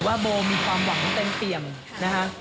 ว่าโบมีความหวังเต็มเปี่ยมนะคะ